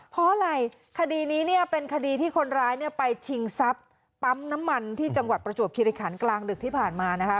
เพราะอะไรคดีนี้เนี่ยเป็นคดีที่คนร้ายเนี่ยไปชิงทรัพย์ปั๊มน้ำมันที่จังหวัดประจวบคิริขันกลางดึกที่ผ่านมานะคะ